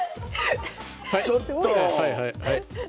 ⁉ちょっと！